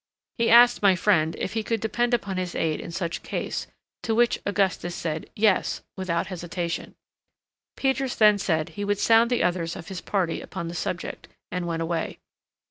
He asked my friend if he could depend upon his aid in such case, to which Augustus said, "Yes," without hesitation. Peters then said he would sound the others of his party upon the subject, and went away.